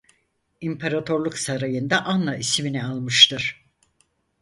İmparatorluk sarayında Anna ismini almıştır.